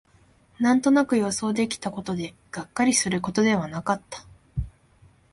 なんとなく予想できたことで、がっかりすることではなかった